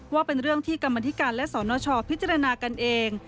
ว่าเป็นเรื่องที่กรรมธิการและสนชพิจารณากันเอง